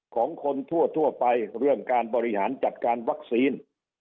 ของคนทั่วไปเรื่องการบริหารจัดการวัคซีน